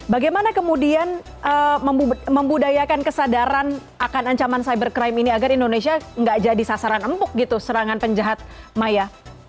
bagaimana kemudian membudayakan kesadaran akan ancaman cybercrime ini agar indonesia nggak jadi sasaran empuk gitu serangan penjahat maya